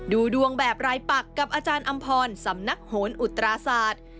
ดูดวงแบบรายปักกับอาจารย์อำพรสำนักโหนอุตราศาสตร์